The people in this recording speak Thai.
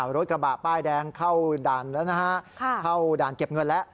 รถกระบะป้ายแดงเข้าด่านเก็บเงินแล้ว